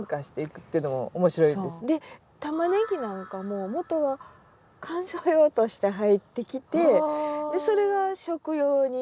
タマネギなんかももとは観賞用として入ってきてそれが食用になったり。